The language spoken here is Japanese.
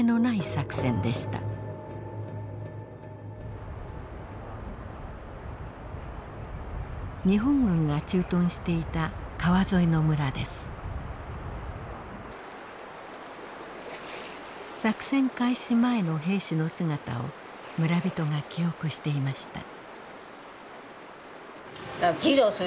作戦開始前の兵士の姿を村人が記憶していました。